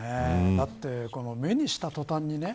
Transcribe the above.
だって目にした途端にね。